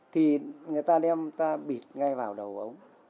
thì người ta đem ta bịt ngay vào đầu ống